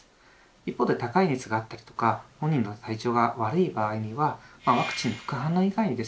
一方で高い熱があったりとか本人の体調が悪い場合にはワクチン副反応以外にですね